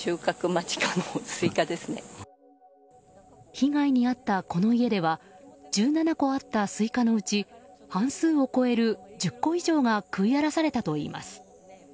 被害に遭ったこの家では１７個あったスイカのうち半数を超える１０個以上が食い荒らされたといいます。